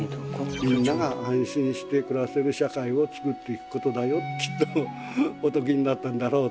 みんなが安心して暮らせる社会を作っていくことだよってきっとお説きになったんだろうと思うんですけれども。